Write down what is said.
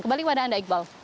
kembali kembali ke anda iqbal